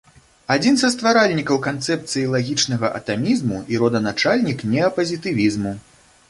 Адзін са стваральнікаў канцэпцыі лагічнага атамізму і роданачальнік неапазітывізму.